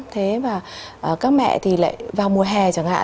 thế và các mẹ thì lại vào mùa hè chẳng hạn